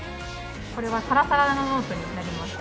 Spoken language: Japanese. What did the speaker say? これはサラサラのノートになります。